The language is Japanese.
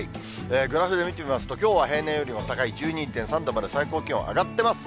グラフで見てみますと、きょうは平年よりも高い１２．３度まで、最高気温上がってます。